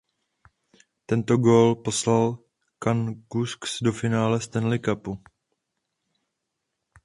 Tento gól poslal Canucks do finále Stanley Cupu.